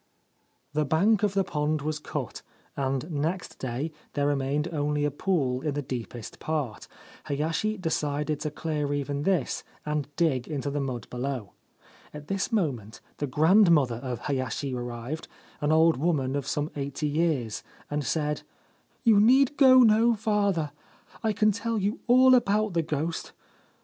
The bank of the pond was cut, and next day there remained only a pool in the deepest part ; Hayashi decided to clear even this and dig into the mud below. At this moment the grandmother of Hayashi arrived, an old woman of some eighty years, and said :' You need go no farther. I can tell you all about the ghost.